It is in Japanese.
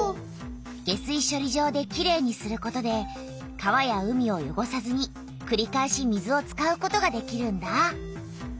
下水しょり場できれいにすることで川や海をよごさずにくりかえし水を使うことができるんだ。